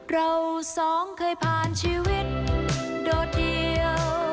เราสองเคยผ่านชีวิตโดดเดียว